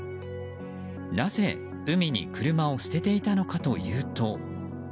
なぜ、海に車を捨てていたのかというと。